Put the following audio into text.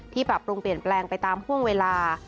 ปรับปรุงเปลี่ยนแปลงไปตามห่วงเวลา